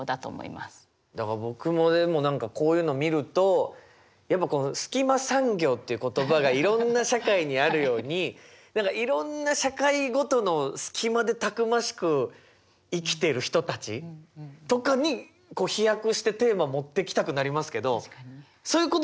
だから僕もでも何かこういうの見るとやっぱこうスキマ産業っていう言葉がいろんな社会にあるように何かいろんな社会ごとのスキマでたくましく生きてる人たちとかに飛躍してテーマ持ってきたくなりますけどそういうことでもいいんですよね？